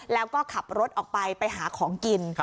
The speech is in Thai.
แล้วก็ขับรถออกไปไปหาของกิน